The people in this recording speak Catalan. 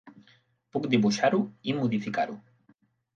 Puc dibuixar-ho i modificar-ho.